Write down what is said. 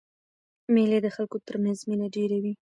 مېلې د خلکو تر منځ مینه ډېروي.